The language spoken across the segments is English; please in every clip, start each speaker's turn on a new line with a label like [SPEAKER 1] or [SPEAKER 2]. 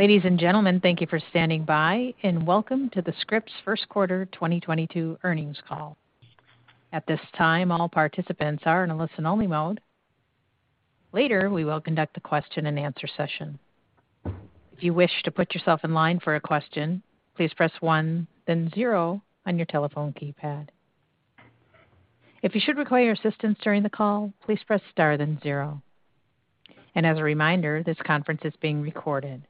[SPEAKER 1] Ladies and gentlemen, thank you for standing by, and welcome to the Scripps Q1 2022 earnings call. At this time, all participants are in a listen-only mode. Later, we will conduct a question-and-answer session. If you wish to put yourself in line for a question, please press 1 then 0 on your telephone keypad. If you should require assistance during the call, please press star then 0. As a reminder, this conference is being recorded.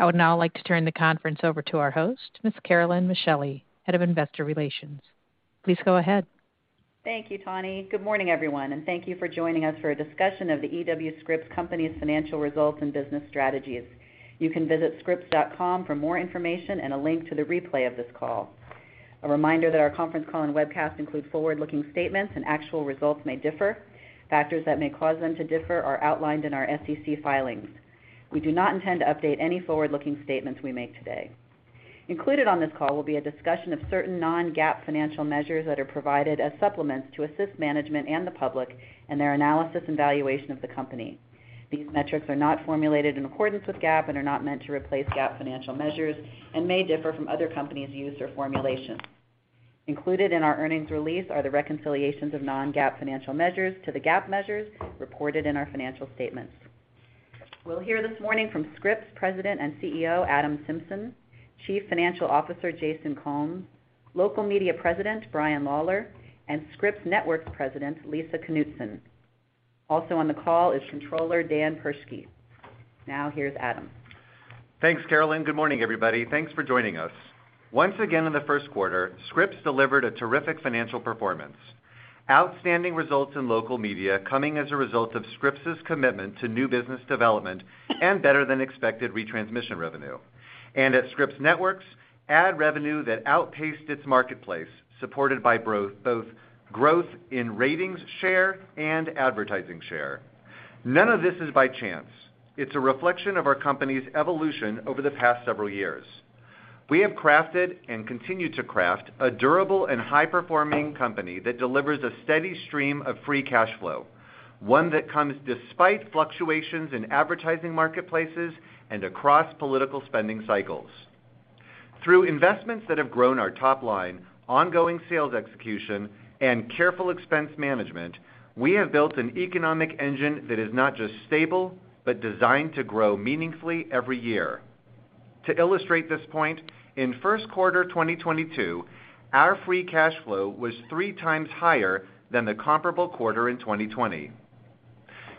[SPEAKER 1] I would now like to turn the conference over to our host, Ms. Carolyn Micheli, Head of Investor Relations. Please go ahead.
[SPEAKER 2] Thank you, Tawny. Good morning, everyone, and thank you for joining us for a discussion of The E.W. Scripps Company's financial results and business strategies. You can visit scripps.com for more information and a link to the replay of this call. A reminder that our conference call and webcast include forward-looking statements and actual results may differ. Factors that may cause them to differ are outlined in our SEC filings. We do not intend to update any forward-looking statements we make today. Included on this call will be a discussion of certain non-GAAP financial measures that are provided as supplements to assist management and the public in their analysis and valuation of the company. These metrics are not formulated in accordance with GAAP and are not meant to replace GAAP financial measures and may differ from other companies' use or formulations. Included in our earnings release are the reconciliations of non-GAAP financial measures to the GAAP measures reported in our financial statements. We'll hear this morning from Scripps President and CEO, Adam Symson; Chief Financial Officer, Jason Combs; Local Media President, Brian Lawlor; and Scripps Networks President, Lisa Knutson. Also on the call is Controller, Dan Perschke. Now, here's Adam.
[SPEAKER 3] Thanks, Carolyn. Good morning, everybody. Thanks for joining us. Once again, in the first quarter, Scripps delivered a terrific financial performance. Outstanding results in local media coming as a result of Scripps' commitment to new business development and better-than-expected retransmission revenue. At Scripps Networks, ad revenue that outpaced its marketplace, supported by both growth in ratings share and advertising share. None of this is by chance. It's a reflection of our company's evolution over the past several years. We have crafted and continue to craft a durable and high-performing company that delivers a steady stream of free cash flow, 1 that comes despite fluctuations in advertising marketplaces and across political spending cycles. Through investments that have grown our top line, ongoing sales execution, and careful expense management, we have built an economic engine that is not just stable, but designed to grow meaningfully every year. To illustrate this point, in Q1 2022, our free cash flow was 3x higher than the comparable quarter in 2020.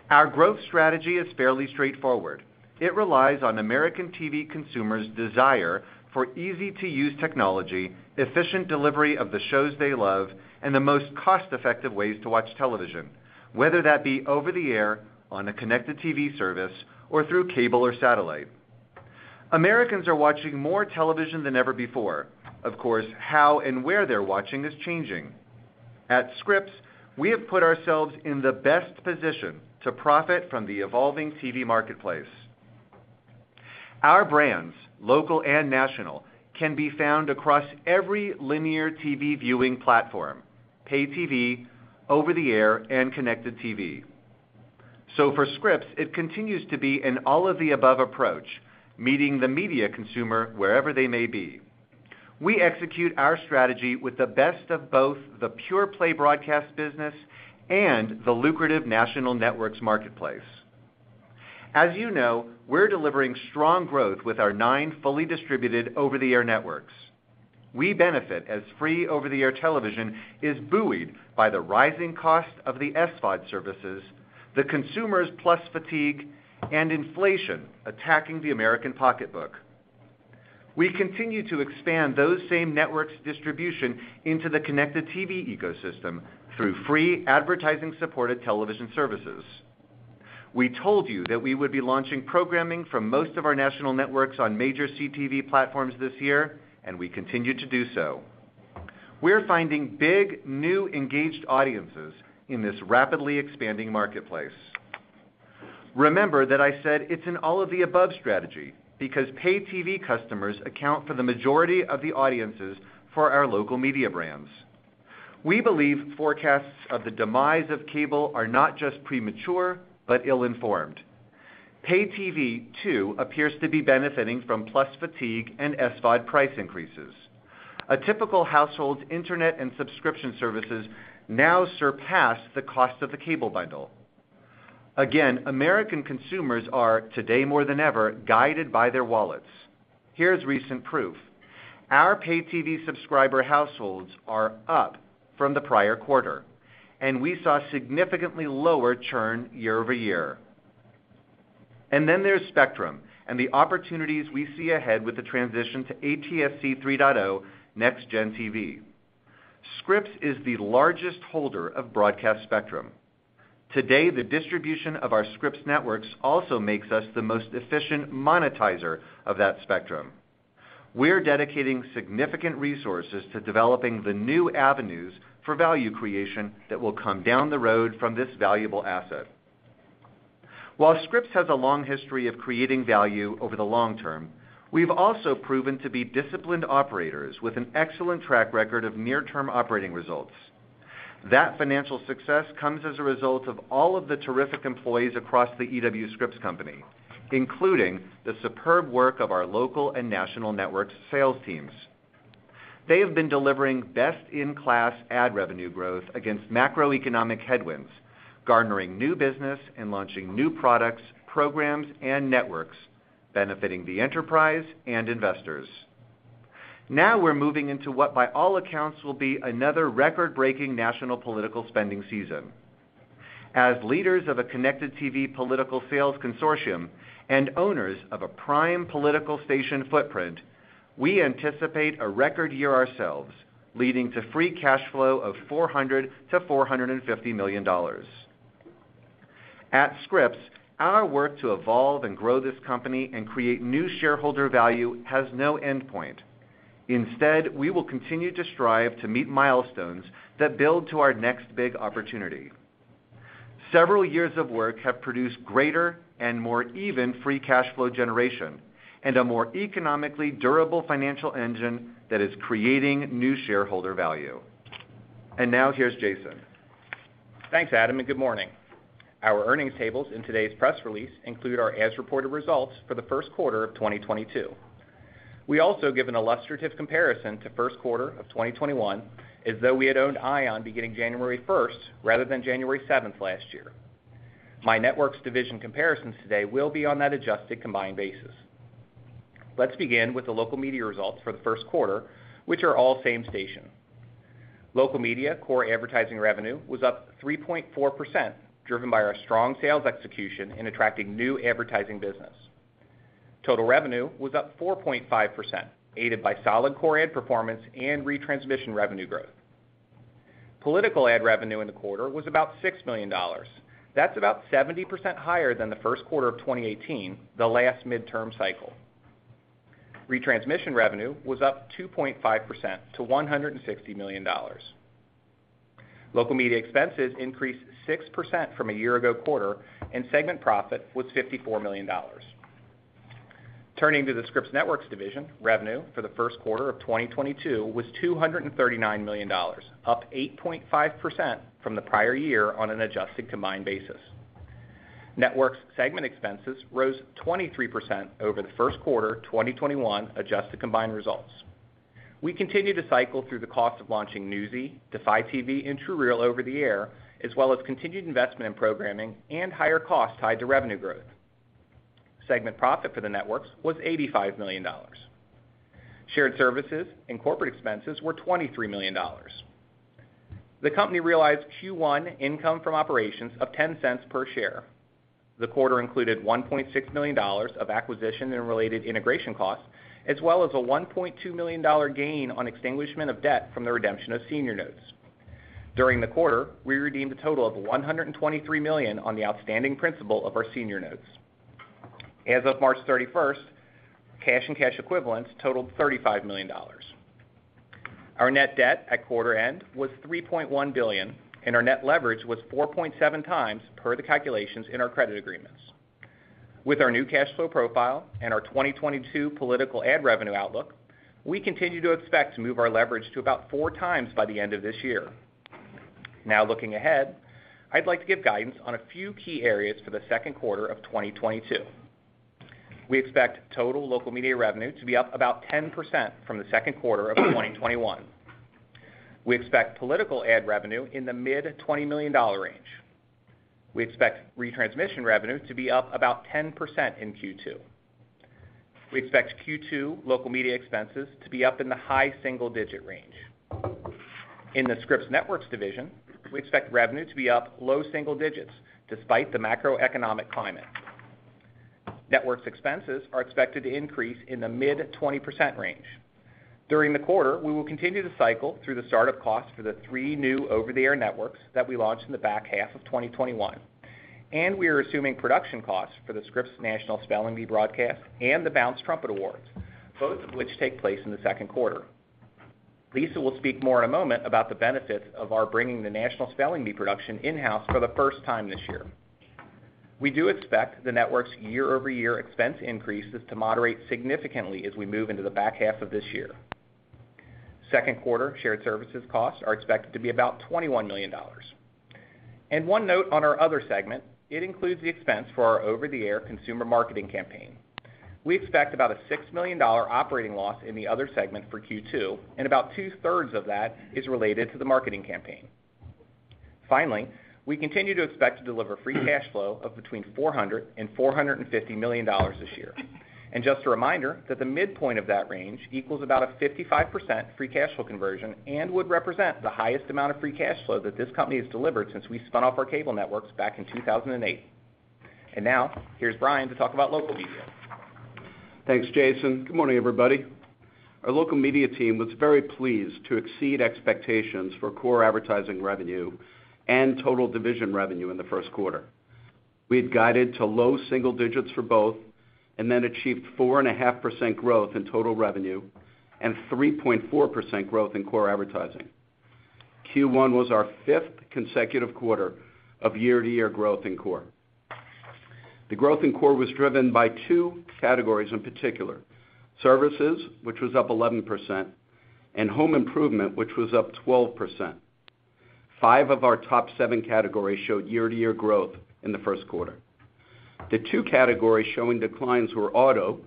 [SPEAKER 3] Our growth strategy is fairly straightforward. It relies on American TV consumers' desire for easy-to-use technology, efficient delivery of the shows they love, and the most cost-effective ways to watch television, whether that be over-the-air, on a connected TV service, or through cable or satellite. Americans are watching more television than ever before. Of course, how and where they're watching is changing. At Scripps, we have put ourselves in the best position to profit from the evolving TV marketplace. Our brands, local and national, can be found across every linear TV viewing platform, pay TV, over-the-air, and connected TV. For Scripps, it continues to be an all-of-the-above approach, meeting the media consumer wherever they may be. We execute our strategy with the best of both the pure play broadcast business and the lucrative national networks marketplace. As you know, we're delivering strong growth with our 9 fully distributed over-the-air networks. We benefit as free over-the-air television is buoyed by the rising cost of the SVOD services, the consumer's password fatigue, and inflation attacking the American pocketbook. We continue to expand those same networks' distribution into the connected TV ecosystem through free advertising-supported television services. We told you that we would be launching programming from most of our national networks on major CTV platforms this year, and we continue to do so. We're finding big, new, engaged audiences in this rapidly expanding marketplace. Remember that I said it's an all-of-the-above strategy because pay TV customers account for the majority of the audiences for our local media brands. We believe forecasts of the demise of cable are not just premature, but ill-informed. Pay TV, too, appears to be benefiting from plus fatigue and SVOD price increases. A typical household's internet and subscription services now surpass the cost of the cable bundle. Again, American consumers are, today more than ever, guided by their wallets. Here's recent proof. Our pay TV subscriber households are up from the prior quarter, and we saw significantly lower churn year-over-year. There's spectrum and the opportunities we see ahead with the transition to ATSC 3.0 NextGen TV. Scripps is the largest holder of broadcast spectrum. Today, the distribution of our Scripps networks also makes us the most efficient monetizer of that spectrum. We're dedicating significant resources to developing the new avenues for value creation that will come down the road from this valuable asset. While Scripps has a long history of creating value over the long term, we've also proven to be disciplined operators with an excellent track record of near-term operating results. That financial success comes as a result of all of the terrific employees across the E.W. Scripps Company, including the superb work of our local and national network sales teams. They have been delivering best-in-class ad revenue growth against macroeconomic headwinds, garnering new business and launching new products, programs and networks benefiting the enterprise and investors. Now we're moving into what, by all accounts, will be another record-breaking national political spending season. As leaders of a connected TV political sales consortium and owners of a prime political station footprint, we anticipate a record year ourselves, leading to free cash flow of $400 million-$450 million. At Scripps, our work to evolve and grow this company and create new shareholder value has no endpoint. Instead, we will continue to strive to meet milestones that build to our next big opportunity. Several years of work have produced greater and more even free cash flow generation and a more economically durable financial engine that is creating new shareholder value. Now here's Jason.
[SPEAKER 4] Thanks, Adam, and good morning. Our earnings tables in today's press release include our as-reported results for the Q1 of 2022. We also give an illustrative comparison to Q1 of 2021 as though we had owned ION beginning January 1 rather than January 7 last year. My network's division comparisons today will be on that adjusted combined basis. Let's begin with the local media results for the first quarter, which are all same station. Local media core advertising revenue was up 3.4%, driven by our strong sales execution in attracting new advertising business. Total revenue was up 4.5%, aided by solid core ad performance and retransmission revenue growth. Political ad revenue in the quarter was about $6 million. That's about 70% higher than the Q1 of 2018, the last midterm cycle. Retransmission revenue was up 2.5% to $160 million. Local media expenses increased 6% from a year-ago quarter, and segment profit was $54 million. Turning to the Scripps Networks Division, revenue for the Q1 of 2022 was $239 million, up 8.5% from the prior year on an adjusted combined basis. Networks segment expenses rose 23% over the Q1 of 2021 adjusted combined results. We continue to cycle through the cost of launching Newsy, Defy TV, and TrueReal over-the-air, as well as continued investment in programming and higher costs tied to revenue growth. Segment profit for the networks was $85 million. Shared services and corporate expenses were $23 million. The company realized Q1 income from operations of $0.10 per share. The quarter included $1.6 million of acquisition and related integration costs, as well as a $1.2 million gain on extinguishment of debt from the redemption of senior notes. During the quarter, we redeemed a total of $123 million on the outstanding principal of our senior notes. As of March 31, cash and cash equivalents totaled $35 million. Our net debt at quarter end was $3.1 billion, and our net leverage was 4.7x per the calculations in our credit agreements. With our new cash flow profile and our 2022 political ad revenue outlook, we continue to expect to move our leverage to about 4x by the end of this year. Now looking ahead, I'd like to give guidance on a few key areas for the Q2 of 2022. We expect total local media revenue to be up about 10% from the Q2 of 2021. We expect political ad revenue in the mid-$20 million range. We expect retransmission revenue to be up about 10% in Q2. We expect Q2 local media expenses to be up in the high single-digit range. In the Scripps Networks Division, we expect revenue to be up low single digits despite the macroeconomic climate. Networks expenses are expected to increase in the mid 20% range. During the quarter, we will continue to cycle through the start of costs for the 3 new over-the-air networks that we launched in the back half of 2021, and we are assuming production costs for the Scripps National Spelling Bee broadcast and the Bounce Trumpet Awards, both of which take place in the second quarter. Lisa will speak more in a moment about the benefits of our bringing the National Spelling Bee production in-house for the first time this year. We do expect the network's year-over-year expense increases to moderate significantly as we move into the back half of this year. Q2 shared services costs are expected to be about $21 million. 1 note on our other segment, it includes the expense for our over-the-air consumer marketing campaign. We expect about a $6 million operating loss in the other segment for Q2, and about two-thirds of that is related to the marketing campaign. Finally, we continue to expect to deliver free cash flow of between $400 million and $450 million this year. Just a reminder that the midpoint of that range equals about a 55% free cash flow conversion and would represent the highest amount of free cash flow that this company has delivered since we spun off our cable networks back in 2008. Now here's Brian to talk about local media.
[SPEAKER 5] Thanks, Jason. Good morning, everybody. Our local media team was very pleased to exceed expectations for core advertising revenue and total division revenue in the Q1. We had guided to low single digits for both and then achieved 4.5% growth in total revenue and 3.4% growth in core advertising. Q1 was our fifth consecutive quarter of year-to-year growth in core. The growth in core was driven by 2 categories in particular, services, which was up 11%, and home improvement, which was up 12%. 5 of our top 7 categories showed year-to-year growth in the first quarter. The 2 categories showing declines were auto,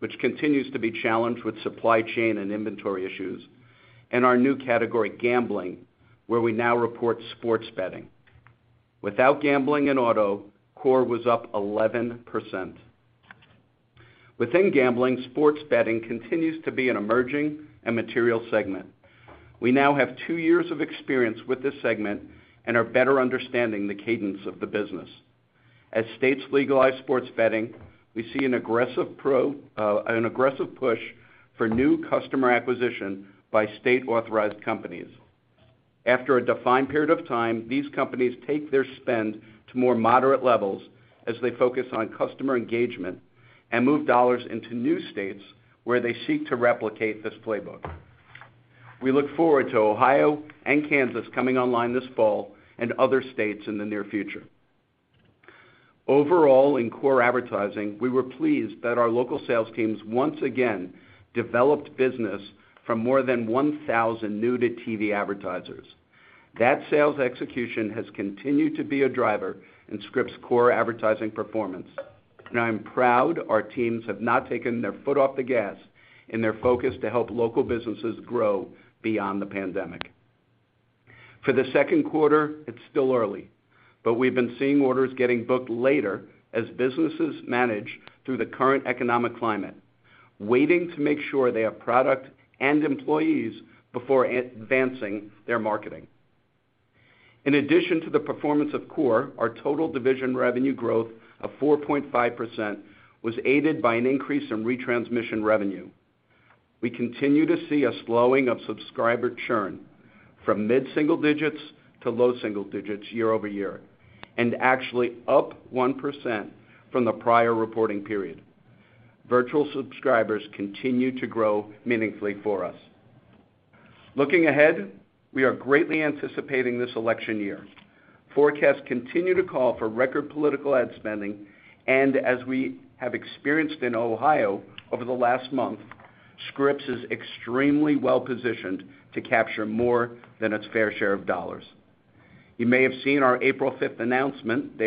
[SPEAKER 5] which continues to be challenged with supply chain and inventory issues, and our new category, gambling, where we now report sports betting. Without gambling and auto, core was up 11%. Within gambling, sports betting continues to be an emerging and material segment. We now have 2 years of experience with this segment and are better understanding the cadence of the business. As states legalize sports betting, we see an aggressive push for new customer acquisition by state-authorized companies. After a defined period of time, these companies take their spend to more moderate levels as they focus on customer engagement and move dollars into new states where they seek to replicate this playbook. We look forward to Ohio and Kansas coming online this fall and other states in the near future. Overall, in core advertising, we were pleased that our local sales teams once again developed business from more than 1,000 new-to-TV advertisers. That sales execution has continued to be a driver in Scripps' core advertising performance. I'm proud our teams have not taken their foot off the gas in their focus to help local businesses grow beyond the pandemic. For the second quarter, it's still early, but we've been seeing orders getting booked later as businesses manage through the current economic climate, waiting to make sure they have product and employees before ad-advancing their marketing. In addition to the performance of core, our total division revenue growth of 4.5% was aided by an increase in retransmission revenue. We continue to see a slowing of subscriber churn from mid-single digits to low single digits year-over-year, and actually up 1% from the prior reporting period. Virtual subscribers continue to grow meaningfully for us. Looking ahead, we are greatly anticipating this election year. Forecasts continue to call for record political ad spending, and as we have experienced in Ohio over the last month, Scripps is extremely well-positioned to capture more than its fair share of dollars. You may have seen our April fifth announcement.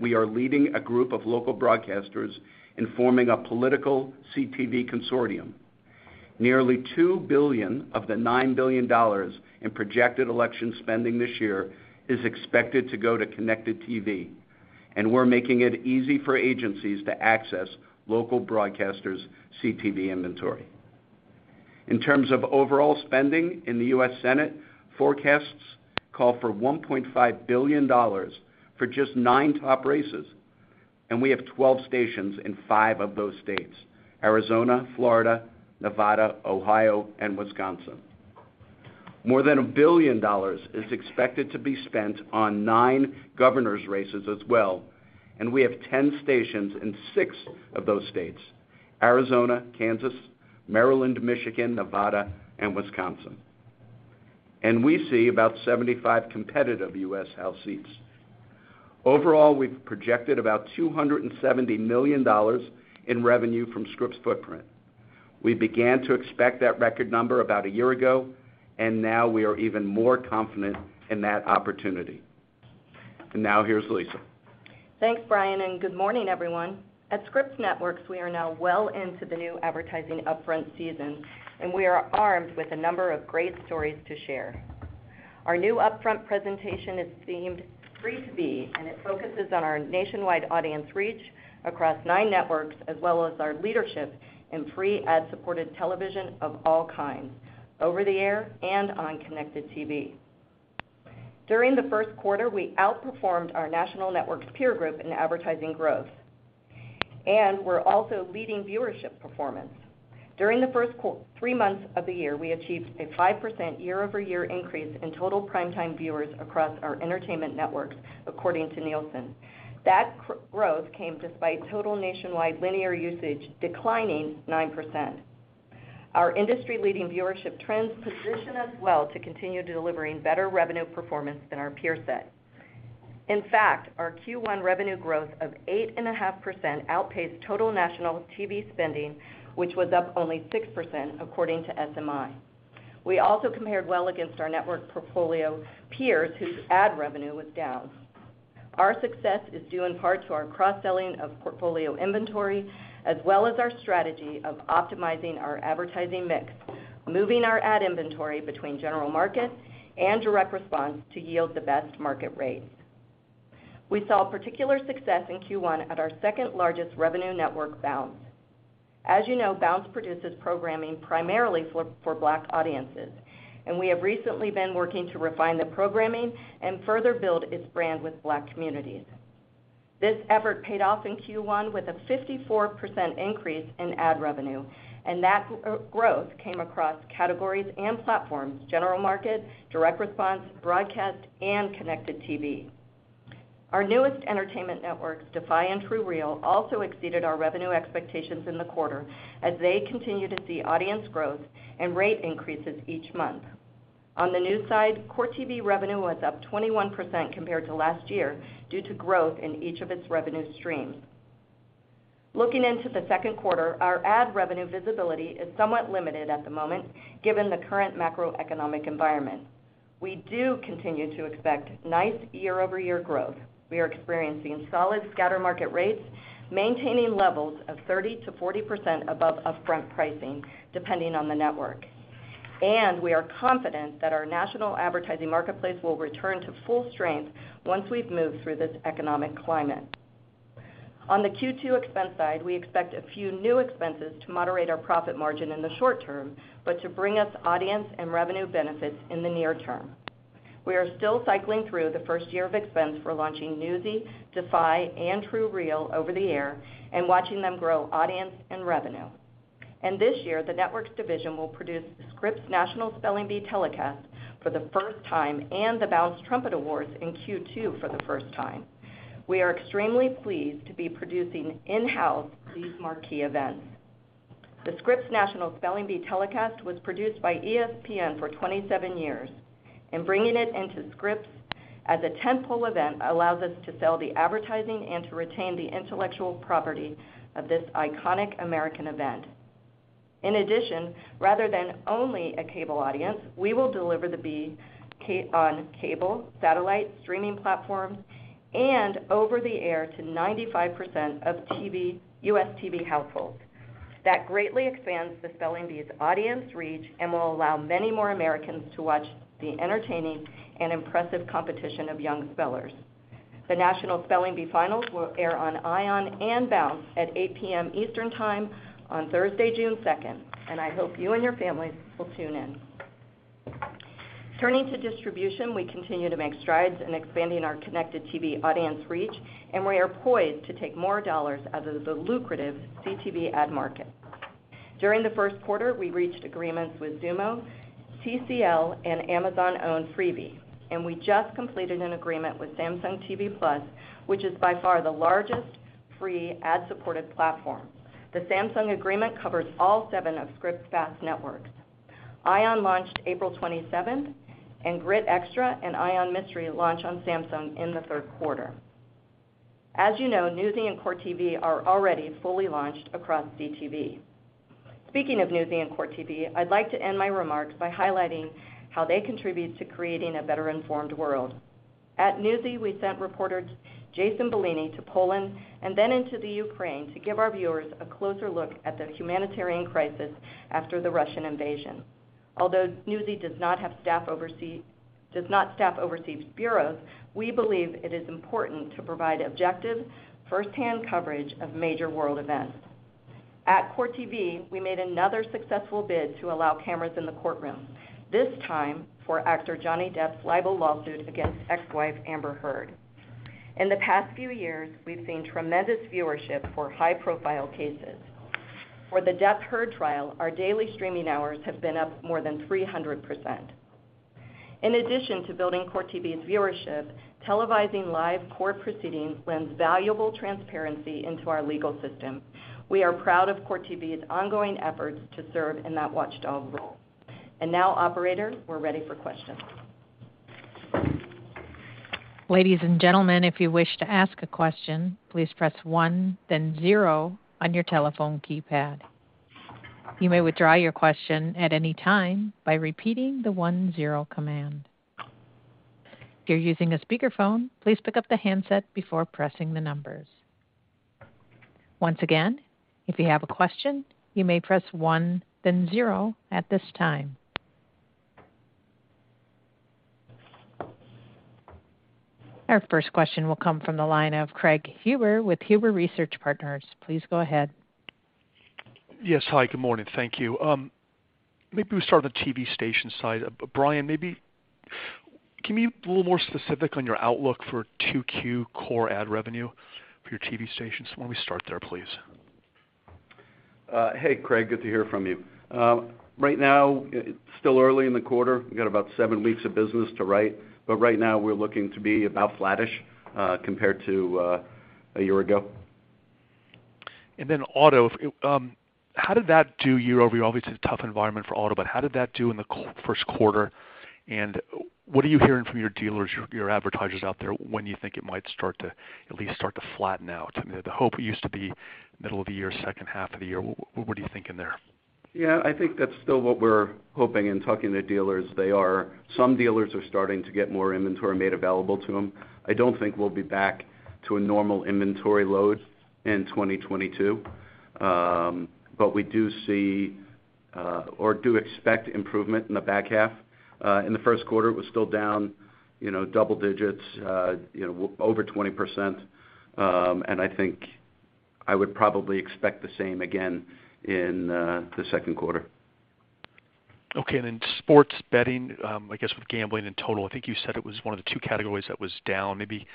[SPEAKER 5] We are leading a group of local broadcasters in forming a political CTV consortium. Nearly $2 billion of the $9 billion in projected election spending this year is expected to go to connected TV, and we're making it easy for agencies to access local broadcasters' CTV inventory. In terms of overall spending in the U.S. Senate, forecasts call for $1.5 billion for just 9 top races, and we have 12 stations in 5 of those states, Arizona, Florida, Nevada, Ohio, and Wisconsin. More than $1 billion is expected to be spent on 9 governors' races as well, and we have 10 stations in 6 of those states, Arizona, Kansas, Maryland, Michigan, Nevada, and Wisconsin. We see about 75 competitive U.S. House seats. Overall, we've projected about $270 million in revenue from Scripps' footprint. We began to expect that record number about a year ago, and now we are even more confident in that opportunity. Now here's Lisa.
[SPEAKER 6] Thanks, Brian, and good morning, everyone. At Scripps Networks, we are now well into the new advertising upfront season, and we are armed with a number of great stories to share. Our new upfront presentation is themed Free to Be, and it focuses on our nationwide audience reach across 9 networks as well as our leadership in free ad-supported television of all kinds, over the air and on connected TV. During the first quarter, we outperformed our national networks peer group in advertising growth, and we're also leading viewership performance. During the first 3 months of the year, we achieved a 5% year-over-year increase in total prime-time viewers across our entertainment networks, according to Nielsen. That growth came despite total nationwide linear usage declining 9%. Our industry-leading viewership trends position us well to continue delivering better revenue performance than our peer set. In fact, our Q1 revenue growth of 8.5% outpaced total national TV spending, which was up only 6% according to SMI. We also compared well against our network portfolio peers whose ad revenue was down. Our success is due in part to our cross-selling of portfolio inventory as well as our strategy of optimizing our advertising mix, moving our ad inventory between general markets and direct response to yield the best market rates. We saw particular success in Q1 at our second-largest revenue network, Bounce. As you know, Bounce produces programming primarily for Black audiences, and we have recently been working to refine the programming and further build its brand with Black communities. This effort paid off in Q1 with a 54% increase in ad revenue, and that growth came across categories and platforms, general market, direct response, broadcast, and connected TV. Our newest entertainment networks, Defy and TrueReal, also exceeded our revenue expectations in the quarter as they continue to see audience growth and rate increases each month. On the news side, Court TV revenue was up 21% compared to last year due to growth in each of its revenue streams. Looking into the second quarter, our ad revenue visibility is somewhat limited at the moment, given the current macroeconomic environment. We do continue to expect nice year-over-year growth. We are experiencing solid scatter market rates, maintaining levels of 30%-40% above upfront pricing, depending on the network. We are confident that our national advertising marketplace will return to full strength once we've moved through this economic climate. On the Q2 expense side, we expect a few new expenses to moderate our profit margin in the short term, but to bring us audience and revenue benefits in the near term. We are still cycling through the first year of expense for launching Newsy, Defy and TrueReal over-the-air and watching them grow audience and revenue. This year, the Networks division will produce Scripps National Spelling Bee telecast for the first time and the Bounce Trumpet Awards in Q2 for the first time. We are extremely pleased to be producing in-house these marquee events. The Scripps National Spelling Bee telecast was produced by ESPN for 27 years, and bringing it into Scripps as a tentpole event allows us to sell the advertising and to retain the intellectual property of this iconic American event. In addition, rather than only a cable audience, we will deliver the Bee on cable, satellite, streaming platforms, and over the air to 95% of U.S. TV households. That greatly expands the Spelling Bee's audience reach and will allow many more Americans to watch the entertaining and impressive competition of young spellers. The National Spelling Bee finals will air on ION and Bounce at 8:00 P.M. Eastern time on Thursday, June 2, and I hope you and your families will tune in. Turning to distribution, we continue to make strides in expanding our connected TV audience reach, and we are poised to take more dollars out of the lucrative CTV ad market. During the Q1, we reached agreements with Xumo, TCL, and Amazon-owned Freevee, and we just completed an agreement with Samsung TV Plus, which is by far the largest free ad-supported platform. The Samsung agreement covers all 7 of Scripps' FAST networks. ION launched April 27th, and Grit Xtra and ION Mystery launch on Samsung in the Q3. As you know, Newsy and Court TV are already fully launched across CTV. Speaking of Newsy and Court TV, I'd like to end my remarks by highlighting how they contribute to creating a better-informed world. At Newsy, we sent reporter Jason Bellini to Poland and then into the Ukraine to give our viewers a closer look at the humanitarian crisis after the Russian invasion. Although Newsy does not staff overseas bureaus, we believe it is important to provide objective, firsthand coverage of major world events. At Court TV, we made another successful bid to allow cameras in the courtroom, this time for actor Johnny Depp's libel lawsuit against ex-wife Amber Heard. In the past few years, we've seen tremendous viewership for high-profile cases. For the Depp-Heard trial, our daily streaming hours have been up more than 300%. In addition to building Court TV's viewership, televising live court proceedings lends valuable transparency into our legal system. We are proud of Court TV's ongoing efforts to serve in that watchdog role. Now, operator, we're ready for questions.
[SPEAKER 1] Ladies and gentlemen, if you wish to ask a question, please press 1 then 0 on your telephone keypad. You may withdraw your question at any time by repeating the 1-0 command. If you're using a speakerphone, please pick up the handset before pressing the numbers. Once again, if you have a question, you may press 1 then 0 at this time. Our first question will come from the line of Craig Huber with Huber Research Partners. Please go ahead.
[SPEAKER 7] Yes. Hi, good morning. Thank you. Maybe we start on the TV station side. Brian, maybe can you be a little more specific on your outlook for 2Q core ad revenue for your TV stations? Why don't we start there, please?
[SPEAKER 5] Hey, Craig, good to hear from you. Right now it's still early in the quarter. We've got about 7 weeks of business to write, but right now we're looking to be about flattish, compared to a year ago.
[SPEAKER 7] Then auto, how did that do year-over-year? Obviously, it's a tough environment for auto, but how did that do in the first quarter, and what are you hearing from your dealers, your advertisers out there when you think it might start to at least flatten out? I mean, the hope used to be middle of the year, H2 of the year. What are you thinking there?
[SPEAKER 5] Yeah, I think that's still what we're hoping. In talking to dealers, some dealers are starting to get more inventory made available to them. I don't think we'll be back to a normal inventory load in 2022. We do see or do expect improvement in the back half. In the Q1 it was still down, you know, double digits, you know, over 20%. I think I would probably expect the same again in the second quarter.
[SPEAKER 7] Okay. Sports betting, I guess with gambling in total, I think you said it was 1 of the 2 categories that was down. Maybe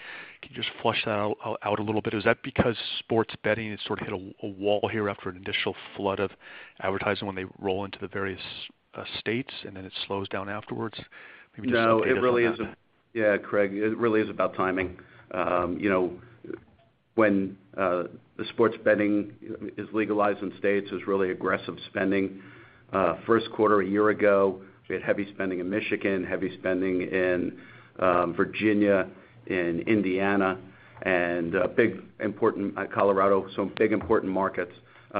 [SPEAKER 7] can you just flesh that out a little bit? Is that because sports betting has sort of hit a wall here after an initial flood of advertising when they roll into the various states, and then it slows down afterwards?
[SPEAKER 5] No, it really is. Talk a bit about that. Yeah, Craig, it really is about timing. You know. When the sports betting is legalized in states, there's really aggressive spending. Q1 a year ago, we had heavy spending in Michigan, heavy spending in Virginia, in Indiana, and a big important Colorado. Some big important markets.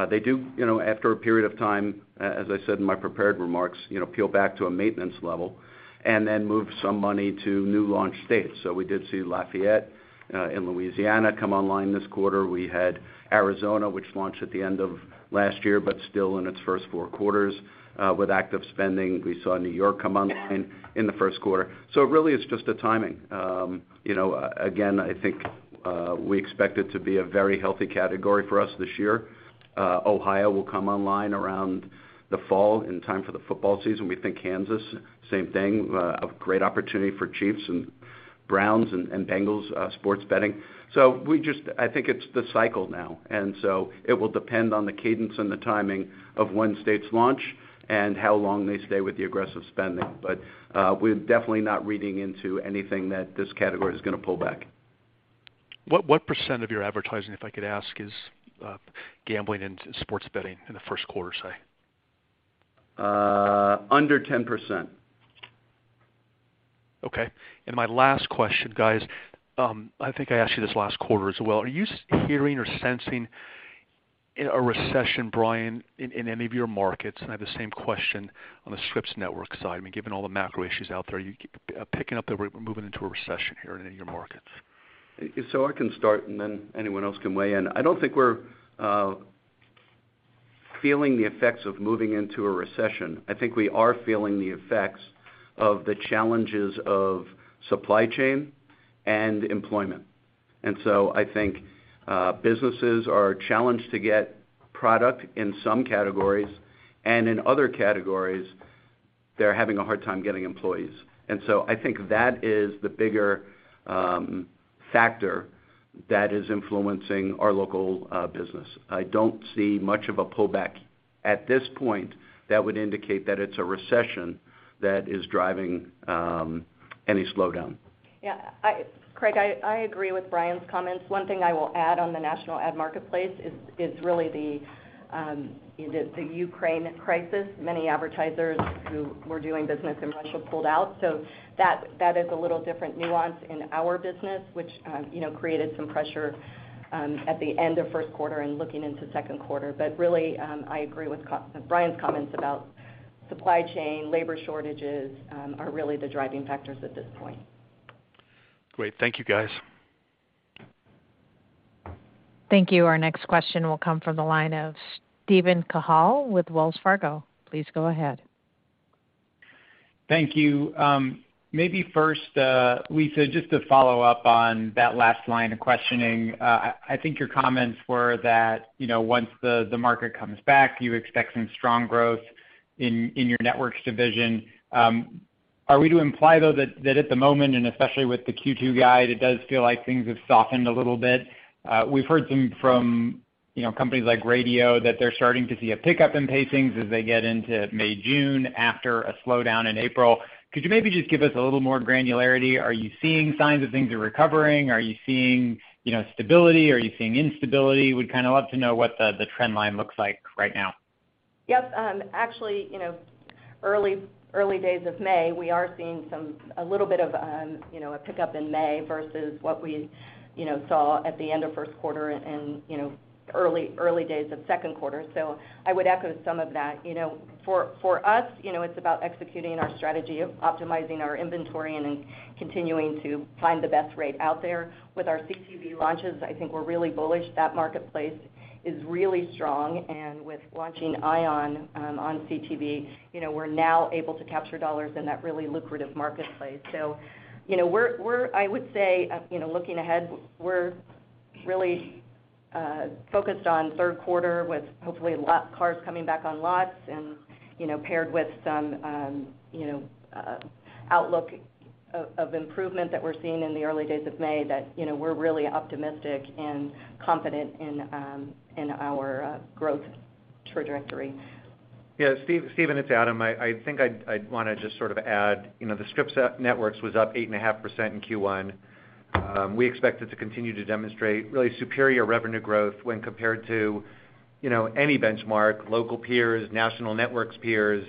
[SPEAKER 5] They do, you know, after a period of time, as I said in my prepared remarks, you know, peel back to a maintenance level and then move some money to new launch states. So we did see Lafayette in Louisiana come online this quarter. We had Arizona, which launched at the end of last year, but still in its first 4 quarters with active spending. We saw New York come online in the Q1. So it really is just the timing. You know, again, I think we expect it to be a very healthy category for us this year. Ohio will come online around the fall in time for the football season. We think Kansas, same thing, a great opportunity for Chiefs and Browns and Bengals sports betting. I think it's the cycle now, and so it will depend on the cadence and the timing of when states launch and how long they stay with the aggressive spending. We're definitely not reading into anything that this category is gonna pull back.
[SPEAKER 7] What percent of your advertising, if I could ask, is going into sports betting in the first quarter, say?
[SPEAKER 5] Under 10%.
[SPEAKER 7] Okay. My last question, guys, I think I asked you this last quarter as well. Are you hearing or sensing a recession, Brian, in any of your markets? I have the same question on the Scripps network side. I mean, given all the macro issues out there, are you picking up that we're moving into a recession here in any of your markets?
[SPEAKER 5] I can start, and then anyone else can weigh in. I don't think we're feeling the effects of moving into a recession. I think we are feeling the effects of the challenges of supply chain and employment. I think businesses are challenged to get product in some categories, and in other categories, they're having a hard time getting employees. I think that is the bigger factor that is influencing our local business. I don't see much of a pullback at this point that would indicate that it's a recession that is driving any slowdown.
[SPEAKER 6] Yeah, Craig, I agree with Brian's comments. 1 thing I will add on the national ad marketplace is the Ukraine crisis. Many advertisers who were doing business in Russia pulled out, so that is a little different nuance in our business, which you know created some pressure at the end of Q1 and looking into Q2. I agree with Brian's comments about supply chain, labour shortages are really the driving factors at this point.
[SPEAKER 7] Great. Thank you, guys.
[SPEAKER 6] Yeah.
[SPEAKER 1] Thank you. Our next question will come from the line of Steven Cahall with Wells Fargo. Please go ahead.
[SPEAKER 8] Thank you. Maybe first, Lisa, just to follow up on that last line of questioning. I think your comments were that, you know, once the market comes back, you expect some strong growth in your networks division. Are we to imply, though, that at the moment, and especially with the Q2 guide, it does feel like things have softened a little bit? We've heard some from, you know, companies like Radio that they're starting to see a pickup in pacings as they get into May, June after a slowdown in April. Could you maybe just give us a little more granularity? Are you seeing signs of things are recovering? Are you seeing, you know, stability? Are you seeing instability? We'd kind of love to know what the trend line looks like right now.
[SPEAKER 6] Yes. Actually, you know, early days of May, we are seeing some, a little bit of, you know, a pickup in May versus what we, you know, saw at the end of Q1 and, you know, early days of Q2. I would echo some of that. You know, for us, you know, it's about executing our strategy of optimizing our inventory and then continuing to find the best rate out there. With our CTV launches, I think we're really bullish. That marketplace is really strong. With launching ION on CTV, you know, we're now able to capture dollars in that really lucrative marketplace. You know, we're I would say, you know, looking ahead, we're really focused on Q3 with hopefully cars coming back on lots and, you know, paired with some outlook of improvement that we're seeing in the early days of May that, you know, we're really optimistic and confident in our growth trajectory.
[SPEAKER 3] Yeah, Steven, it's Adam. I think I'd want to just sort of add, you know, the Scripps Networks was up 8.5% in Q1. We expect it to continue to demonstrate really superior revenue growth when compared to, you know, any benchmark, local peers, national networks peers.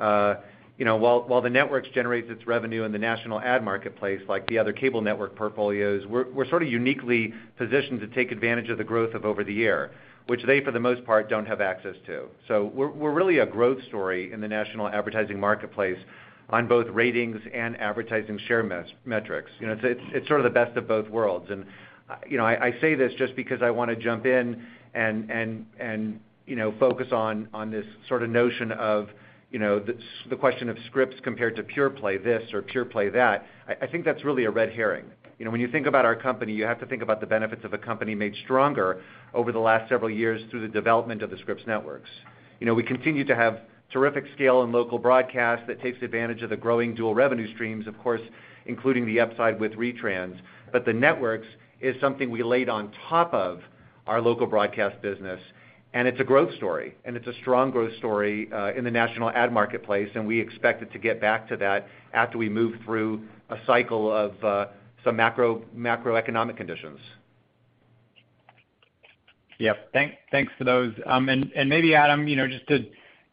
[SPEAKER 3] You know, while the networks generates its revenue in the national ad marketplace like the other cable network portfolios, we're sort of uniquely positioned to take advantage of the growth of over the air, which they, for the most part, don't have access to. So we're really a growth story in the national advertising marketplace on both ratings and advertising share metrics. You know, it's sort of the best of both worlds. You know, I say this just because I wanna jump in and, you know, focus on this sorta notion of, you know, the question of Scripps compared to pure play this or pure play that. I think that's really a red herring. You know, when you think about our company, you have to think about the benefits of a company made stronger over the last several years through the development of the Scripps Networks. You know, we continue to have terrific scale in local broadcast that takes advantage of the growing dual revenue streams, of course, including the upside with retrans. The networks is something we laid on top of. Our local broadcast business. It's a strong growth story in the national ad marketplace, and we expect it to get back to that after we move through a cycle of some macro, macroeconomic conditions.
[SPEAKER 8] Yep. Thanks for those. Maybe Adam, you know, just to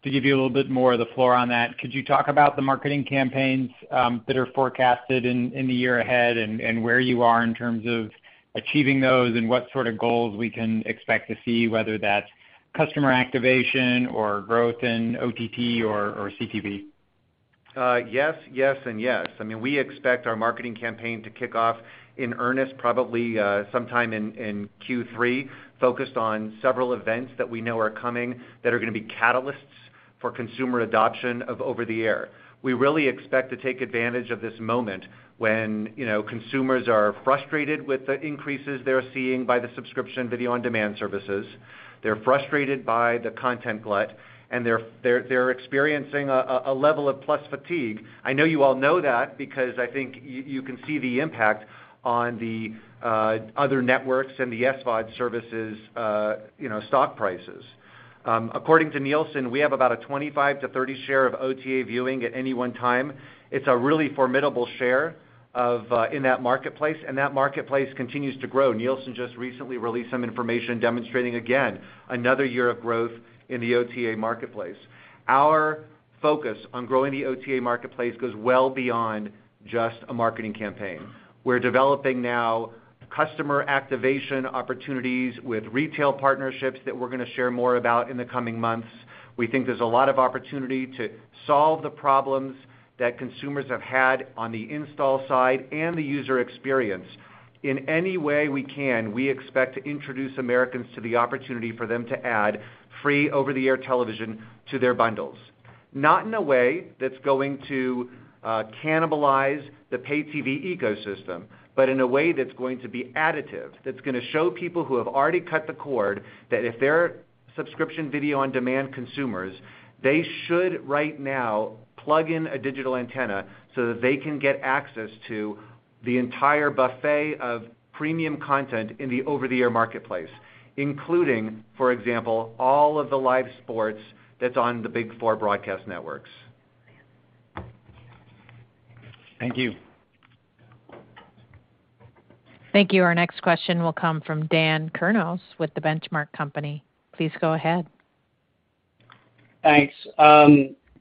[SPEAKER 8] give you a little bit more of the floor on that, could you talk about the marketing campaigns that are forecasted in the year ahead and where you are in terms of achieving those and what sort of goals we can expect to see, whether that's customer activation or growth in OTT or CTV?
[SPEAKER 3] Yes, yes and yes. I mean, we expect our marketing campaign to kick off in earnest probably sometime in Q3, focused on several events that we know are coming that are going to be catalysts for consumer adoption of over-the-air. We really expect to take advantage of this moment when, you know, consumers are frustrated with the increases they're seeing by the subscription video on demand services. They're frustrated by the content glut, and they're experiencing a level of password fatigue. I know you all know that because I think you can see the impact on the other networks and the SVOD services' stock prices. According to Nielsen, we have about a 25%-30% share of OTA viewing at any 1 time. It's a really formidable share in that marketplace, and that marketplace continues to grow. Nielsen just recently released some information demonstrating again another year of growth in the OTA marketplace. Our focus on growing the OTA marketplace goes well beyond just a marketing campaign. We're developing now customer activation opportunities with retail partnerships that we're gonna share more about in the coming months. We think there's a lot of opportunity to solve the problems that consumers have had on the install side and the user experience. In any way we can, we expect to introduce Americans to the opportunity for them to add free over-the-air television to their bundles. Not in a way that's going to cannibalize the pay TV ecosystem, but in a way that's going to be additive, that's gonna show people who have already cut the cord that if they're subscription video on demand consumers, they should right now plug in a digital antenna so that they can get access to the entire buffet of premium content in the over-the-air marketplace, including, for example, all of the live sports that's on the big 4 broadcast networks.
[SPEAKER 8] Thank you.
[SPEAKER 1] Thank you. Our next question will come from Dan Kurnos with The Benchmark Company. Please go ahead.
[SPEAKER 9] Thanks.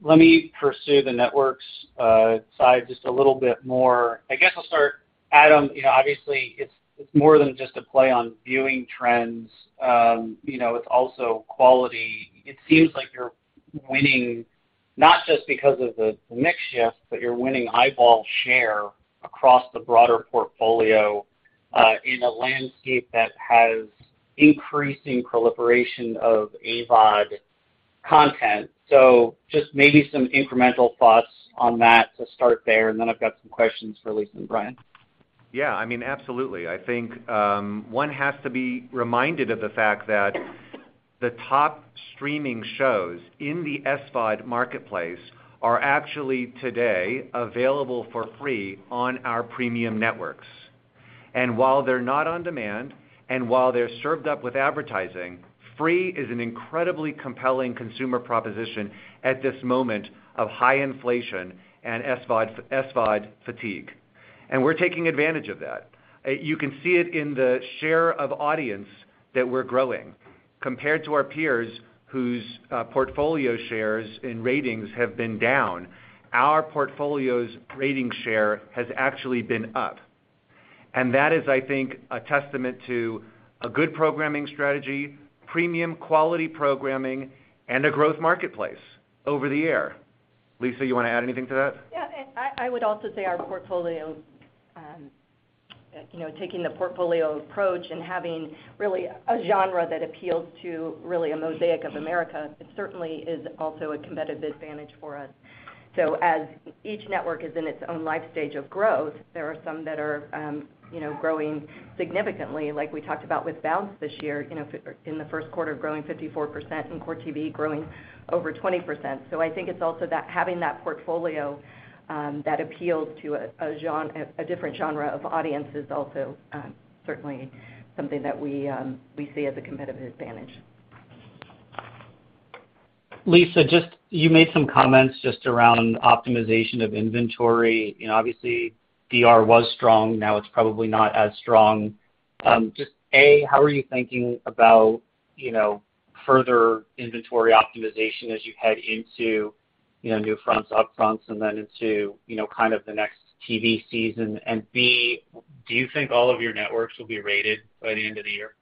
[SPEAKER 9] Let me pursue the networks side just a little bit more. I guess I'll start, Adam, you know, obviously it's more than just a play on viewing trends. You know, it's also quality. It seems like you're winning, not just because of the mix shift, but you're winning eyeball share across the broader portfolio, in a landscape that has increasing proliferation of AVOD content. Just maybe some incremental thoughts on that to start there, and then I've got some questions for Lisa and Brian.
[SPEAKER 3] Yeah, I mean, absolutely. I think 1 has to be reminded of the fact that the top streaming shows in the SVOD marketplace are actually today available for free on our premium networks. While they're not on demand and while they're served up with advertising, free is an incredibly compelling consumer proposition at this moment of high inflation and SVOD fatigue. We're taking advantage of that. You can see it in the share of audience that we're growing. Compared to our peers whose portfolio shares and ratings have been down, our portfolio's rating share has actually been up. That is, I think, a testament to a good programming strategy, premium quality programming and a growth marketplace over the air. Lisa, you want to add anything to that?
[SPEAKER 6] I would also say our portfolio, you know, taking the portfolio approach and having really a genre that appeals to really a mosaic of America, it certainly is also a competitive advantage for us. As each network is in its own life stage of growth, there are some that are, you know, growing significantly, like we talked about with Bounce this year, you know, in the Q1 growing 54% and Court TV growing over 20%. I think it's also that having that portfolio, that appeals to a different genre of audience is also certainly something that we see as a competitive advantage.
[SPEAKER 9] Lisa, you just made some comments just around optimization of inventory. You know, obviously DR was strong, now it's probably not as strong. Just A, how are you thinking about, you know, further inventory optimization as you head into, you know, new upfronts and then into, you know, kind of the next TV season? And B, do you think all of your networks will be rated by the end of the year?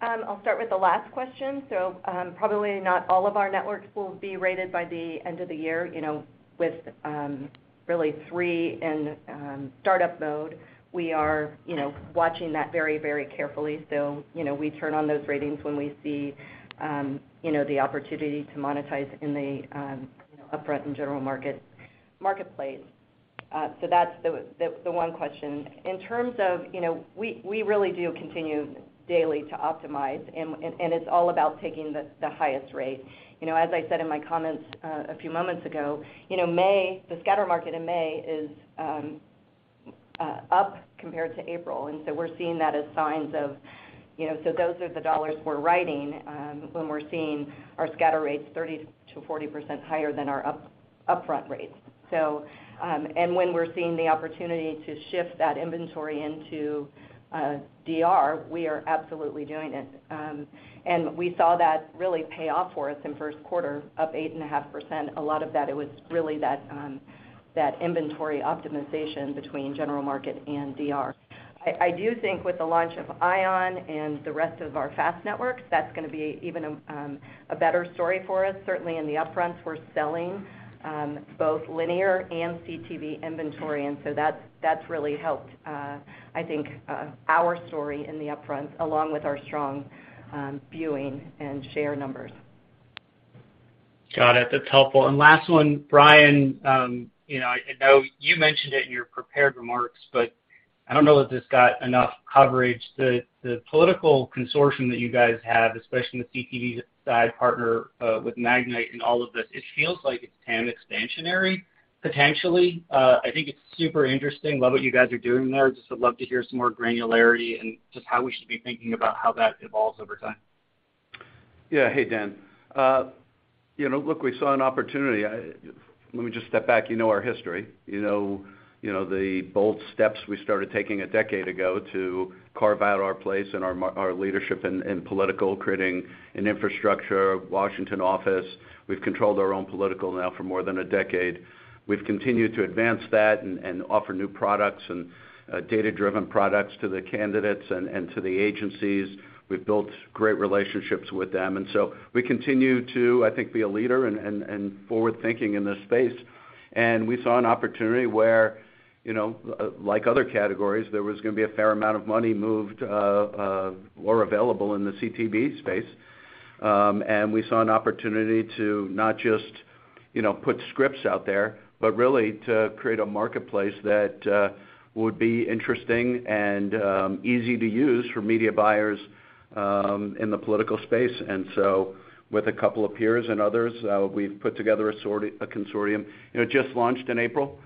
[SPEAKER 6] I'll start with the last question. Probably not all of our networks will be rated by the end of the year. You know, with really 3 in start up mode, we are, you know, watching that very, very carefully. You know, we turn on those ratings when we see, you know, the opportunity to monetize in the, you know, upfront and general marketplace. That's the 1 question. In terms of, you know, we really do continue daily to optimize and it's all about taking the highest rate. You know, as I said in my comments a few moments ago, you know, the scatter market in May is up compared to April. We're seeing that as signs of, you know. Those are the dollars we're writing when we're seeing our scatter rates 30%-40% higher than our upfront rates. When we're seeing the opportunity to shift that inventory into DR, we are absolutely doing it. We saw that really pay off for us in first quarter, up 8.5%. A lot of that, it was really that inventory optimization between general market and DR. I do think with the launch of ION and the rest of our FAST networks, that's gonna be even a better story for us. Certainly in the upfronts, we're selling both linear and CTV inventory, and that's really helped our story in the upfronts, along with our strong viewing and share numbers.
[SPEAKER 9] Got it. That's helpful. Last one, Brian, you know, I know you mentioned it in your prepared remarks, but I don't know if this got enough coverage. The political consortium that you guys have, especially in the CTV side partner with Magnite and all of this, it feels like it's TAM expansionary potentially. I think it's super interesting. Love what you guys are doing there. Just would love to hear some more granularity and just how we should be thinking about how that evolves over time.
[SPEAKER 5] Yeah. Hey, Dan. You know, look, we saw an opportunity. Let me just step back. You know our history. You know the bold steps we started taking a decade ago to carve out our place and our leadership in political, creating an infrastructure, Washington office. We've controlled our own political now for more than a decade. We've continued to advance that and offer new products and data-driven products to the candidates and to the agencies. We've built great relationships with them. We continue to, I think, be a leader and forward-thinking in this space. We saw an opportunity where, you know, like other categories, there was gonna be a fair amount of money moved or available in the CTV space. We saw an opportunity to not just, you know, put Scripps out there, but really to create a marketplace that would be interesting and easy to use for media buyers in the political space. With a couple of peers and others, we've put together a consortium. You know, it just launched in April,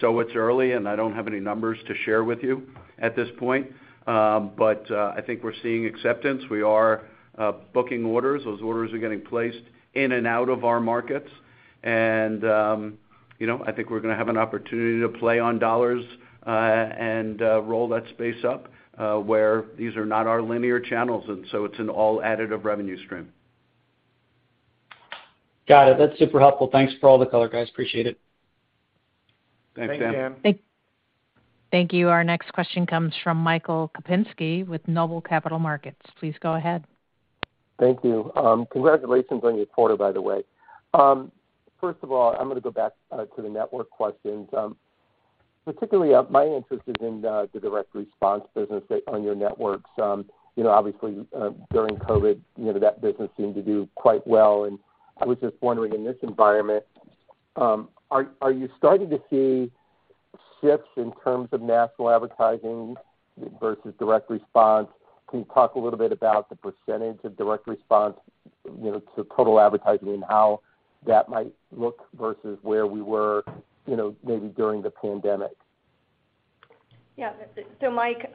[SPEAKER 5] so it's early, and I don't have any numbers to share with you at this point. I think we're seeing acceptance. We are booking orders. Those orders are getting placed in and out of our markets. You know, I think we're gonna have an opportunity to play on dollars and roll that space up, where these are not our linear channels, and so it's an all additive revenue stream.
[SPEAKER 9] Got it. That's super helpful. Thanks for all the color, guys. Appreciate it.
[SPEAKER 5] Thanks, Dan.
[SPEAKER 6] Thank-
[SPEAKER 1] Thank you. Our next question comes from Michael Kupinski with Noble Capital Markets. Please go ahead.
[SPEAKER 10] Thank you. Congratulations on your quarter, by the way. First of all, I'm gonna go back to the network questions. Particularly, my interest is in the direct response business, say, on your networks. You know, obviously, during COVID, you know, that business seemed to do quite well, and I was just wondering, in this environment, are you starting to see shifts in terms of national advertising versus direct response? Can you talk a little bit about the percentage of direct response, you know, to total advertising and how that might look versus where we were, you know, maybe during the pandemic?
[SPEAKER 6] Yeah. Mike,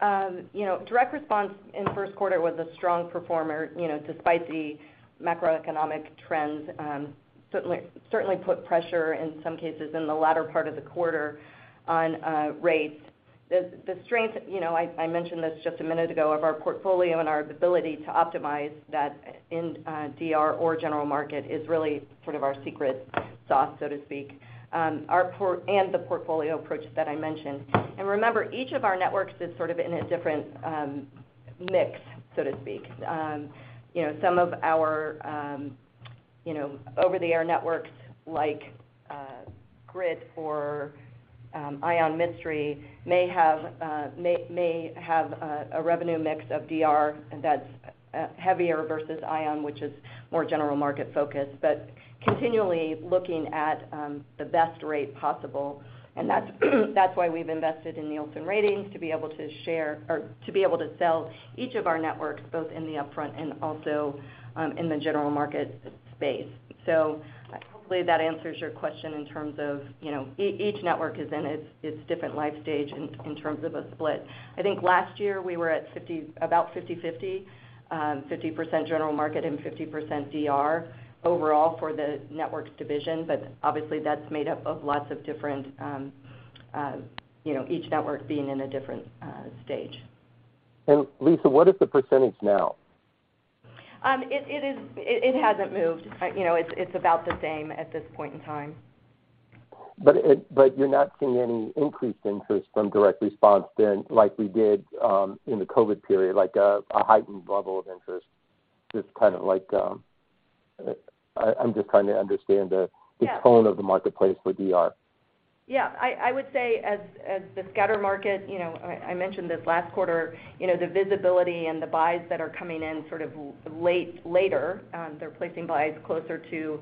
[SPEAKER 6] you know, direct response in Q1 was a strong performer, you know, despite the macroeconomic trends, certainly put pressure in some cases in the latter part of the quarter on rates. The strength, you know, I mentioned this just a minute ago, of our portfolio and our ability to optimize that in DR or general market is really sort of our secret sauce, so to speak. The portfolio approach that I mentioned. Remember, each of our networks is sort of in a different mix, so to speak. You know, some of our, you know, over-the-air networks like Grit or ION Mystery may have a revenue mix of DR that's heavier versus ION, which is more general market focused. Continually looking at the best rate possible, and that's why we've invested in Nielsen ratings to be able to share or to be able to sell each of our networks both in the upfront and also in the general market space. Hopefully that answers your question in terms of, you know, each network is in its different life stage in terms of a split. I think last year, we were at 50, about 50-50, 50% general market and 50% DR overall for the networks division. Obviously, that's made up of lots of different, you know, each network being in a different stage.
[SPEAKER 10] Lisa, what is the percentage now?
[SPEAKER 6] It hasn't moved. You know, it's about the same at this point in time.
[SPEAKER 10] You're not seeing any increased interest from direct response then, like we did, in the COVID period, like a heightened level of interest? Just kind of like, I'm just trying to understand the.
[SPEAKER 6] Yeah.
[SPEAKER 10] the tone of the marketplace for DR.
[SPEAKER 6] Yeah. I would say as the scatter market, you know, I mentioned this last quarter, you know, the visibility and the buys that are coming in sort of later, they're placing buys closer to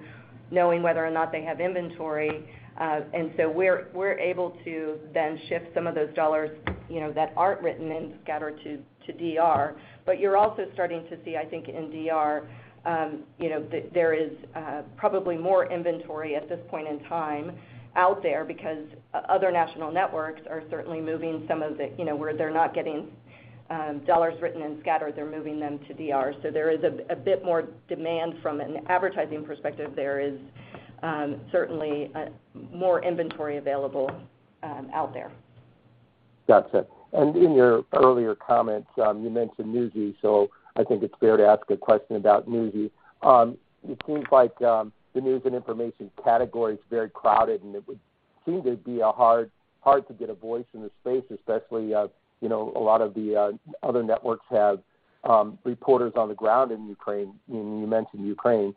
[SPEAKER 6] knowing whether or not they have inventory. We're able to then shift some of those dollars, you know, that aren't written in scatter to DR. You're also starting to see, I think, in DR, you know, there is probably more inventory at this point in time out there because other national networks are certainly moving some of the, you know, where they're not getting dollars written in scatter, they're moving them to DR. There is a bit more demand from an advertising perspective. There is certainly more inventory available out there.
[SPEAKER 10] Gotcha. In your earlier comments, you mentioned Newsy, so I think it's fair to ask a question about Newsy. It seems like the news and information category is very crowded, and it would seem to be a hard to get a voice in this space, especially you know a lot of the other networks have reporters on the ground in Ukraine, and you mentioned Ukraine.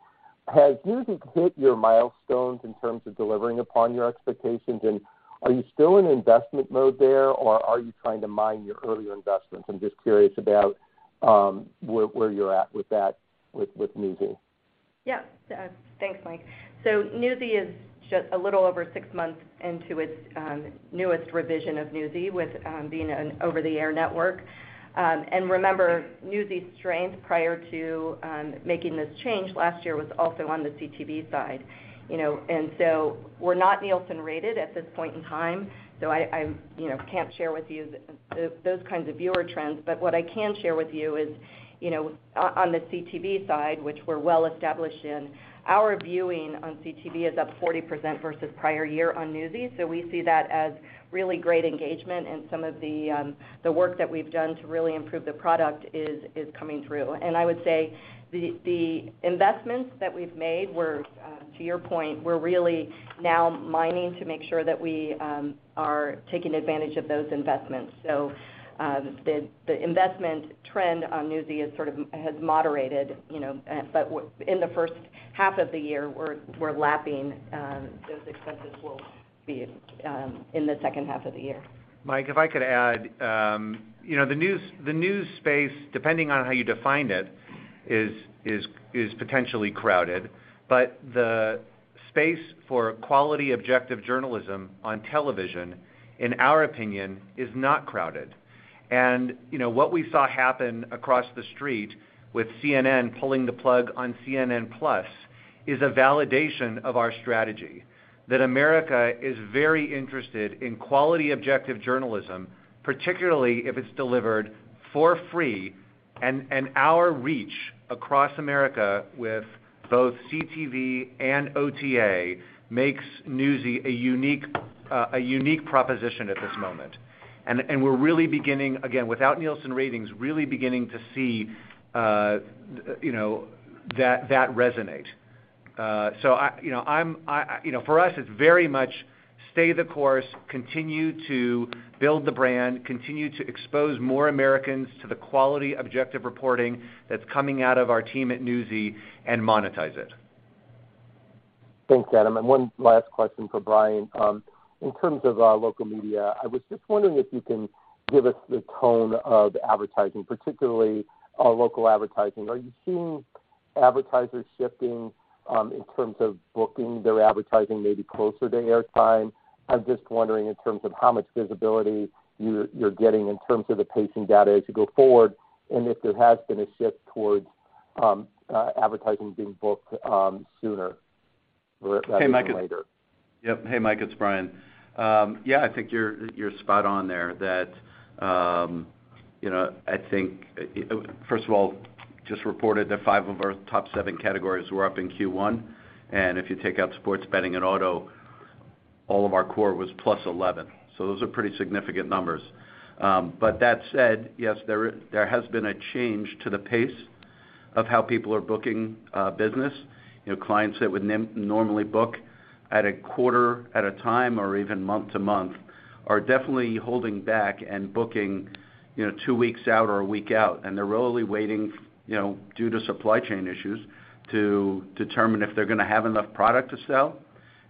[SPEAKER 10] Has Newsy hit your milestones in terms of delivering upon your expectations? Are you still in investment mode there, or are you trying to mine your earlier investments? I'm just curious about where you're at with that with Newsy.
[SPEAKER 6] Yeah. Thanks, Mike. Newsy is just a little over 6 months into its newest revision of Newsy with being an over-the-air network. Remember, Newsy's strength prior to making this change last year was also on the CTV side, you know? We're not Nielsen rated at this point in time, so I'm you know, can't share with you the those kinds of viewer trends. What I can share with you is, you know, on the CTV side, which we're well-established in, our viewing on CTV is up 40% versus prior year on Newsy. We see that as really great engagement, and some of the the work that we've done to really improve the product is coming through. I would say the investments that we've made were to your point, we're really now minding to make sure that we are taking advantage of those investments. The investment trend on Newsy has sort of moderated, you know, but in the H1 of the year, we're lapping those expenses we'll be in the H2 of the year.
[SPEAKER 3] Mike, if I could add, you know, the news space, depending on how you define it, is potentially crowded. The space for quality, objective journalism on television, in our opinion, is not crowded. You know, what we saw happen across the street with CNN pulling the plug on CNN+ is a validation of our strategy that America is very interested in quality, objective journalism, particularly if it's delivered for free. Our reach across America with both CTV and OTA makes Newsy a unique proposition at this moment. We're really beginning, again, without Nielsen ratings, to see, you know, that resonate. So, you know, I'm... You know, for us, it's very much stay the course, continue to build the brand, continue to expose more Americans to the quality, objective reporting that's coming out of our team at Newsy, and monetize it.
[SPEAKER 10] Thanks, Adam. 1 last question for Brian. In terms of local media, I was just wondering if you can give us the tone of advertising, particularly local advertising. Are you seeing advertisers shifting in terms of booking their advertising maybe closer to air time? I'm just wondering in terms of how much visibility you're getting in terms of the pacing data as you go forward, and if there has been a shift towards advertising being booked sooner rather than later.
[SPEAKER 5] Hey, Mike, it's Brian. Yeah, I think you're spot on there that you know, I think first of all, just reported that 5 of our top 7 categories were up in Q1. If you take out sports betting and auto, all of our core was +11%. Those are pretty significant numbers. But that said, yes, there has been a change to the pace of how people are booking business. You know, clients that would normally book at a quarter at a time or even month to month are definitely holding back and booking you know, 2 weeks out or a week out. They're really waiting you know, due to supply chain issues, to determine if they're gonna have enough product to sell.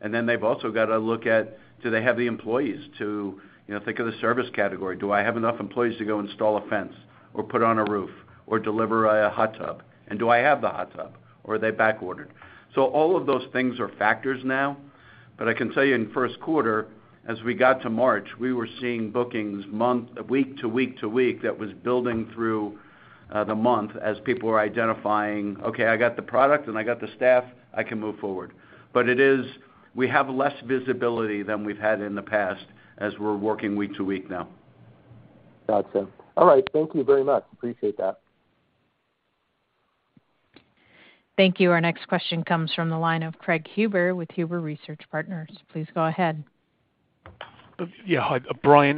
[SPEAKER 5] They've also got to look at, do they have the employees? You know, think of the service category. Do I have enough employees to go install a fence or put on a roof or deliver a hot tub? And do I have the hot tub, or are they back ordered? All of those things are factors now. I can tell you in the first quarter, as we got to March, we were seeing bookings month, week to week to week that was building through the month as people were identifying, "Okay, I got the product and I got the staff, I can move forward." It is. We have less visibility than we've had in the past as we're working week to week now.
[SPEAKER 10] Gotcha. All right. Thank you very much. Appreciate that.
[SPEAKER 1] Thank you. Our next question comes from the line of Craig Huber with Huber Research Partners. Please go ahead.
[SPEAKER 7] Yeah. Hi, Brian.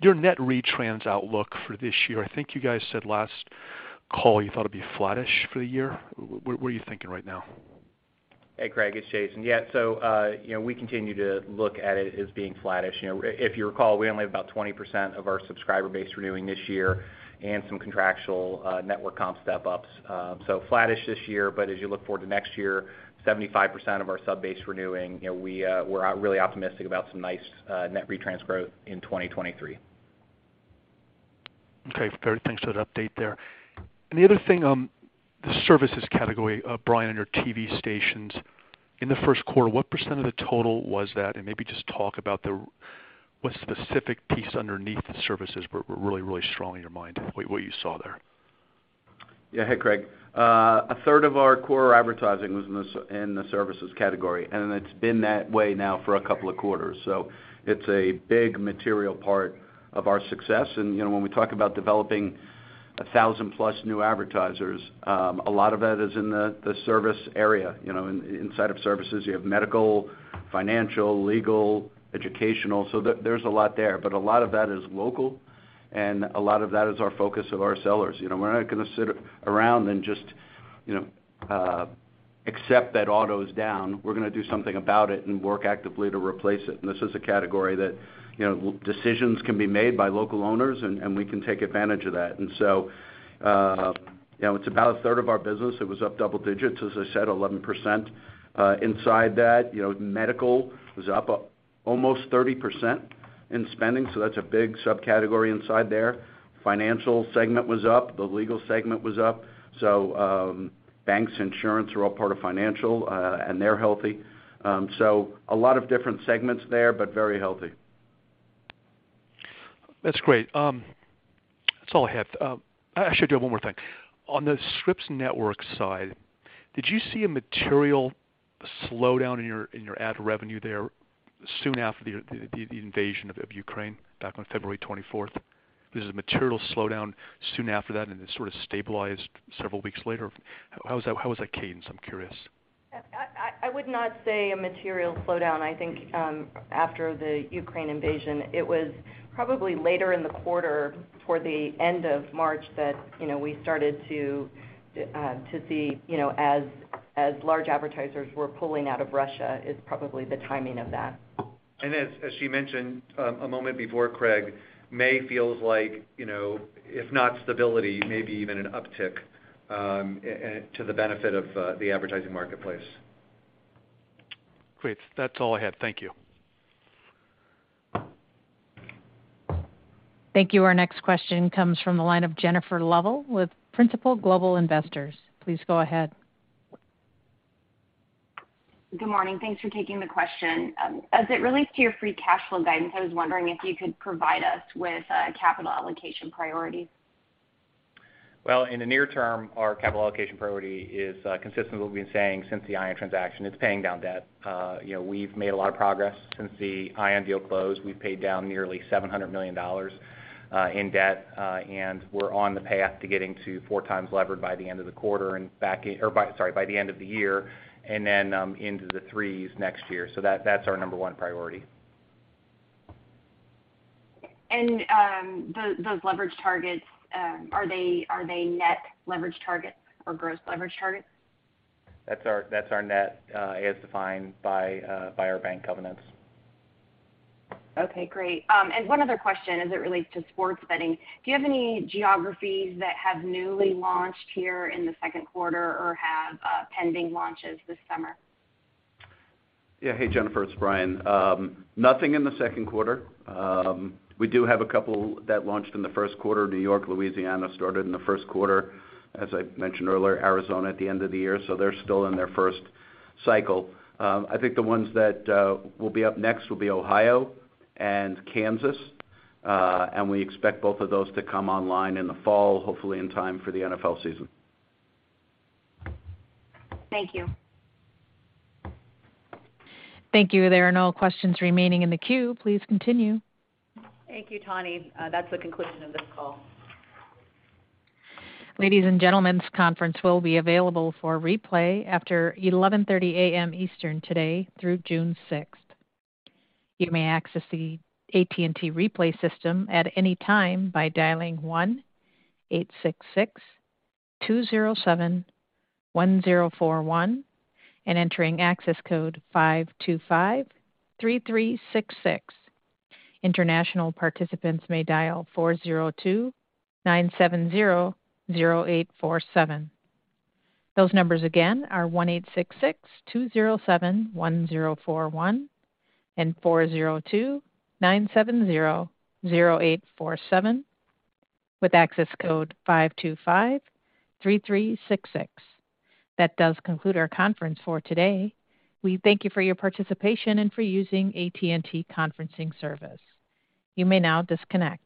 [SPEAKER 7] Your net retrans outlook for this year, I think you guys said last call you thought it'd be flattish for the year. What are you thinking right now?
[SPEAKER 4] Hey, Craig, it's Jason. Yeah. You know, we continue to look at it as being flattish. You know, if you recall, we only have about 20% of our subscriber base renewing this year and some contractual network comp step-ups. Flattish this year. As you look forward to next year, 75% of our sub base renewing. You know, we're really optimistic about some nice net retrans growth in 2023.
[SPEAKER 7] Okay. Thanks very much for that update there. The other thing, the services category, Brian, on your TV stations. In the first quarter, what % of the total was that? Maybe just talk about what specific piece underneath the services were really strong in your mind, what you saw there?
[SPEAKER 5] Yeah. Hey, Craig Huber. A third of our core advertising was in the services category, and it's been that way now for a couple of quarters. It's a big material part of our success. You know, when we talk about developing 1,000 plus new advertisers. A lot of that is in the service area, you know, inside of services, you have medical, financial, legal, educational. There's a lot there, but a lot of that is local, and a lot of that is our focus of our sellers. You know, we're not gonna sit around and just, you know, accept that auto is down. We're gonna do something about it and work actively to replace it. This is a category that, you know, decisions can be made by local owners, and we can take advantage of that. You know, it's about a third of our business. It was up double digits, as I said, 11%. Inside that, you know, medical was up almost 30% in spending, so that's a big subcategory inside there. Financial segment was up. The legal segment was up. Banks, insurance are all part of financial, and they're healthy. A lot of different segments there, but very healthy.
[SPEAKER 7] That's great. That's all I have. I actually do have 1 more thing. On the Scripps network side, did you see a material slowdown in your ad revenue there soon after the invasion of Ukraine back on February 24th? This is a material slowdown soon after that, and it sort of stabilized several weeks later. How was that cadence? I'm curious.
[SPEAKER 6] I would not say a material slowdown. I think, after the Ukraine invasion, it was probably later in the quarter toward the end of March that, you know, we started to see, you know, as large advertisers were pulling out of Russia is probably the timing of that.
[SPEAKER 3] As she mentioned a moment before, Craig, May feels like, you know, if not stability, maybe even an uptick, and to the benefit of the advertising marketplace.
[SPEAKER 7] Great. That's all I had. Thank you.
[SPEAKER 1] Thank you. Our next question comes from the line of Jennifer Lavelee with Principal Global Investors. Please go ahead.
[SPEAKER 11] Good morning. Thanks for taking the question. As it relates to your free cash flow guidance, I was wondering if you could provide us with a capital allocation priority?
[SPEAKER 3] Well, in the near term, our capital allocation priority is consistent with what we've been saying since the ION transaction. It's paying down debt. You know, we've made a lot of progress since the ION deal closed. We've paid down nearly $700 million in debt, and we're on the path to getting to 4 times levered by the end of the year, and then into the 3s next year. That's our number 1 priority.
[SPEAKER 11] Those leverage targets, are they net leverage targets or gross leverage targets?
[SPEAKER 3] That's our net, as defined by our bank covenants.
[SPEAKER 11] Okay, great. One other question as it relates to sports betting. Do you have any geographies that have newly launched here in the Q2 or have pending launches this summer?
[SPEAKER 5] Yeah. Hey, Jennifer, it's Brian. Nothing in the second quarter. We do have a couple that launched in the first quarter. New York, Louisiana started in the first quarter. As I mentioned earlier, Arizona at the end of the year, so they're still in their first cycle. I think the ones that will be up next will be Ohio and Kansas. We expect both of those to come online in the fall, hopefully in time for the NFL season.
[SPEAKER 11] Thank you.
[SPEAKER 1] Thank you. There are no questions remaining in the queue. Please continue.
[SPEAKER 6] Thank you, Tawny. That's the conclusion of this call.
[SPEAKER 1] Ladies and gentlemen, this conference will be available for replay after 11:30 A.M. Eastern today through June 6. You may access the AT&T replay system at any time by dialing 1-866-207-1041 and entering access code 5253366. International participants may dial 402-970-0847. Those numbers again are 1-866-207-1041 and 402-970-0847 with access code 5253366. That does conclude our conference for today. We thank you for your participation and for using AT&T Conferencing Service. You may now disconnect.